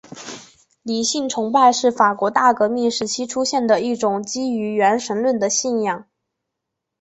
理性崇拜是法国大革命时期出现的一种基于无神论的信仰。